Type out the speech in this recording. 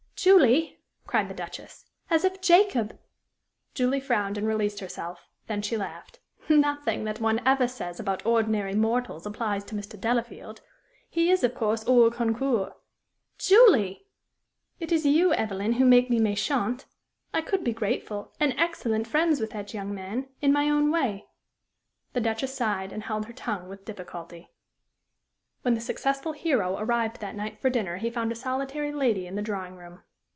"Julie," cried the Duchess, "as if Jacob " Julie frowned and released herself; then she laughed. "Nothing that one ever says about ordinary mortals applies to Mr. Delafield. He is, of course, hors concours." "Julie!" "It is you, Evelyn, who make me méchante. I could be grateful and excellent friends with that young man in my own way." The Duchess sighed, and held her tongue with difficulty. When the successful hero arrived that night for dinner he found a solitary lady in the drawing room.